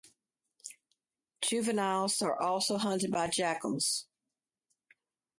Juveniles are also hunted by jackals.